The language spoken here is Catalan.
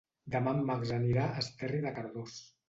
Demà en Max anirà a Esterri de Cardós.